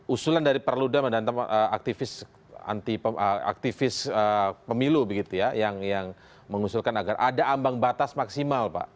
usulan dari perluda menantang aktivis pemilu yang mengusulkan agar ada ambang batas maksimal